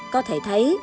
có thể thấy